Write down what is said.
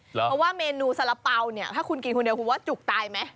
เพราะว่าเมนูสาระเป๋าเนี่ยถ้าคุณกินคนเดียวคุณว่าจุกตายไหม